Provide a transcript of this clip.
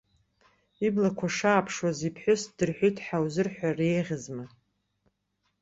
Иблақәа шааԥшуаз, иԥҳәыс ддырҳәит ҳәа узырҳәар еиӷьызма?